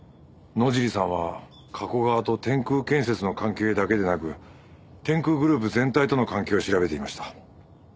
野尻さんは加古川と天空建設の関係だけでなく天空グループ全体との関係を調べていました。